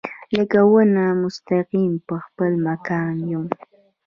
لکه ونه مستقیم پۀ خپل مکان يم